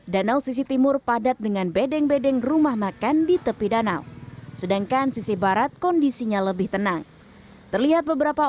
danau sisi timur padat dengan bedeng dan danau yang berbeda